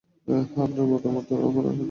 হ্যাঁ, আপনার আমানত আমার কাছে।